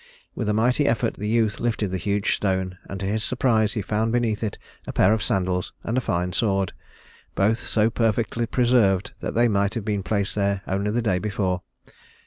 With a mighty effort the youth lifted the huge stone, and to his surprise he found beneath it a pair of sandals and a fine sword both so perfectly preserved that they might have been placed there only the day before.